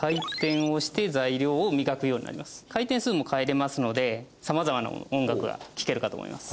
回転数も変えられますので様々な音楽が聴けるかと思います。